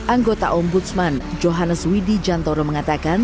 anggota ombudsman johannes widi jantoro mengatakan